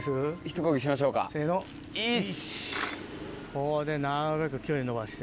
ここでなるべく距離伸ばして。